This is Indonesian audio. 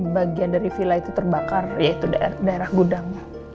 bagian dari villa itu terbakar yaitu daerah gudang